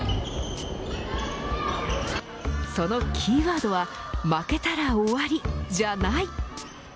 そのキーワードは負けたら終わり、じゃない。